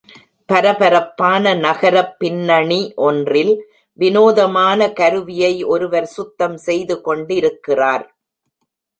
பரபரப்பான நகரப்பின்னணி ஒன்றில் வினோதமான கருவியை ஒருவர் சுத்தம் செய்து கொண்டிருக்கிறார்.